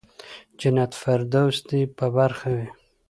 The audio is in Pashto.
جنت الفردوس دې په برخه وي.